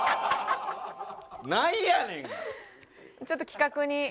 ちょっと企画に。